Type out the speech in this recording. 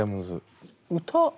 歌？